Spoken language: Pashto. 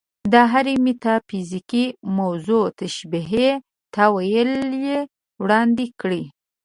د هرې میتافیزیکي موضوع تشبیهي تأویل یې وړاندې کړی.